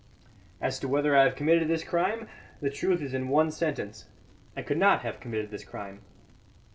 As to whether I have committed this crime, the truth is in one sentence: I could not have committed this crime.